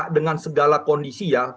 dengan segala kondisi ya